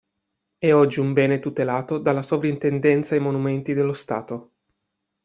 È oggi un bene tutelato dalla Sovrintendenza ai monumenti dello Stato.